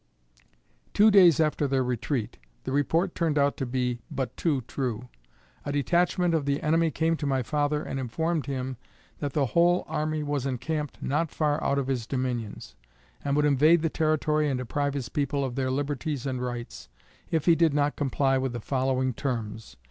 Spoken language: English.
Two days after their retreat, the report turned out to be but too true. A detachment of the enemy came to my father and informed him, that the whole army was encamped not far out of his dominions, and would invade the territory and deprive his people of their liberties and rights, if he did not comply with the following terms.